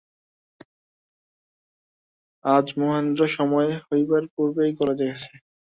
আজ মহেন্দ্র সময় হইবার পূর্বেই কালেজে গেছে।